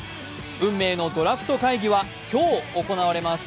運命のドラフト会議は今日行われます。